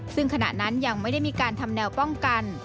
ซึ่งขณะนั้นยังไม่ได้มีการทำแนวป้องกัน